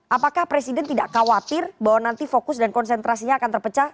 apakah presiden tidak khawatir bahwa nanti fokus dan konsentrasinya akan terpecah